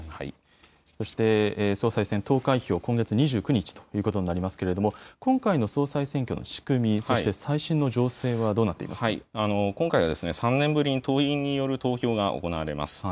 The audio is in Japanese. そして総裁選投開票、今月２９日ということになりますけれども、今回の総裁選挙の仕組み、そして最新の情勢はどうなっていま今回は３年ぶりに党員による投票が行われます。